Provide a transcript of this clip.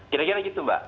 kira kira gitu mbak